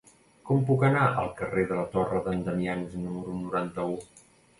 Com puc anar al carrer de la Torre d'en Damians número noranta-u?